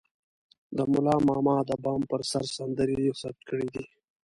د ملا ماما د بام پر سر سندرې يې ثبت کړې دي.